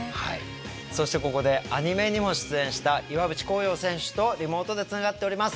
そしてここでアニメにも出演した岩渕幸洋選手とリモートでつながっております。